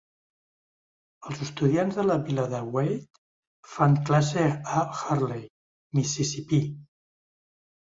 Els estudiants de la vila de Wade fan classe a Hurley, Mississipí.